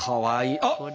あっ！